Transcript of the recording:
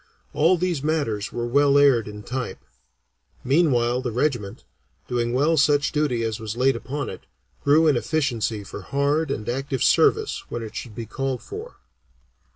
All these matters were well aired in type; meanwhile the regiment, doing well such duty as was laid upon it, grew in efficiency for hard and active service when it should be called for.